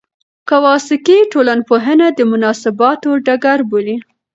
کواساکي ټولنپوهنه د مناسباتو ډګر بولي.